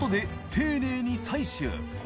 丁寧に採取脇）